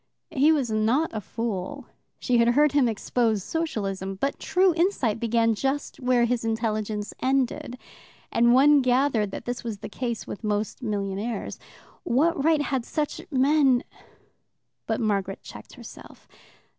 He was not a fool she had heard him expose Socialism but true insight began just where his intelligence ended, and one gathered that this was the case with most millionaires. What right had such men But Margaret checked herself.